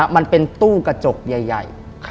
มันเป็นตู้กระจกใหญ่